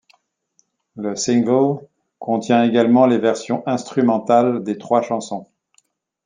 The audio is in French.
Le single contient également les versions instrumentales des trois chansons.